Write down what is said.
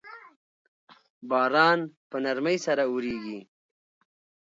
باران په نرمۍ سره اوریږي